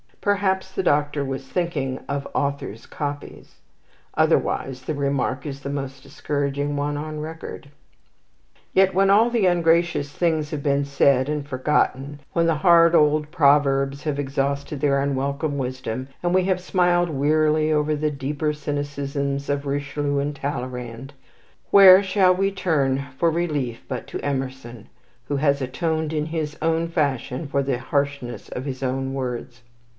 Perhaps the Doctor was thinking of authors' copies. Otherwise the remark is the most discouraging one on record. Yet when all the ungracious things have been said and forgotten, when the hard old proverbs have exhausted their unwelcome wisdom, and we have smiled wearily over the deeper cynicisms of Richelieu and Talleyrand, where shall we turn for relief but to Emerson, who has atoned in his own fashion for the harshness of his own words.